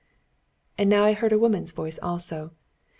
] And now I heard a woman's voice also.